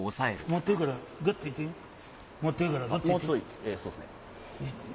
持ってるからグッと行って持ってるからグッと行って。